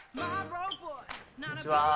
こんにちは。